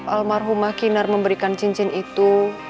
almarhumah kinar memberikan cincin itu